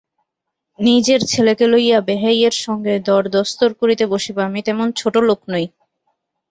নিজের ছেলেকে লইয়া বেহাইয়ের সঙ্গে দরদস্তুর করিতে বসিব, আমি তেমন ছোটো লোক নই।